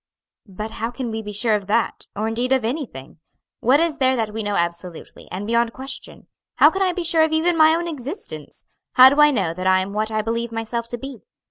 "But how can we be sure of that, or, indeed, of anything? What is there that we know absolutely, and beyond question? how can I be sure of even my own existence? how do I know that I am what I believe myself to be?